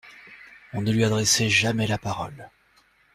On ne lui adressait jamais la parole.